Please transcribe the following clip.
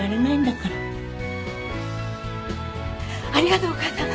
ありがとうお母さん。